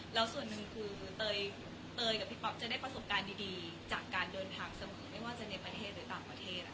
แล้วส่วนหนึ่งคือเตยกับพี่ป๊อปจะได้ประสบการณ์ดีจากการเดินทางเสมอไม่ว่าจะในประเทศหรือต่างประเทศ